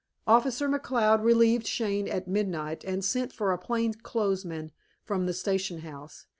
"Officer McCloud relieved Shane at midnight, and sent for a plain clothes man from the station house.